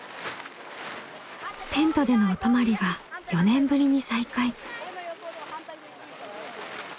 テントでのお泊まりが４年ぶりに再開。